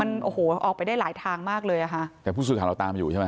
มันโอ้โหออกไปได้หลายทางมากเลยอ่ะค่ะแต่ผู้สื่อข่าวเราตามอยู่ใช่ไหม